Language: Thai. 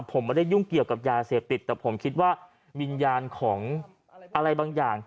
ผมไม่ได้ยุ่งเกี่ยวกับยาเสพติดแต่ผมคิดว่าวิญญาณของอะไรบางอย่าง